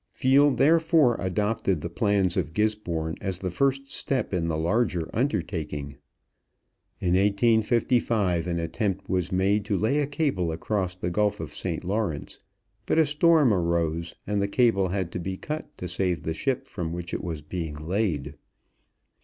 Field thereupon adopted the plans of Gisborne as the first step in the larger undertaking. In 1855 an attempt was made to lay a cable across the Gulf of St. Lawrence, but a storm arose, and the cable had to be cut to save the ship from which it was being laid.